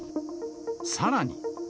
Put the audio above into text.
さらに。